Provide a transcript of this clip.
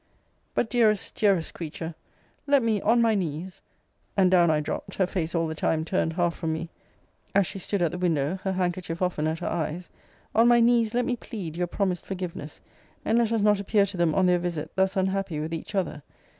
But, dearest, dearest creature, let me on my knees [and down I dropt, her face all the time turned half from me, as she stood at the window, her handkerchief often at her eyes] on my knees let me plead your promised forgiveness; and let us not appear to them, on their visit, thus unhappy with each other.